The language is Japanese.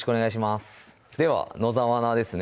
では野沢菜ですね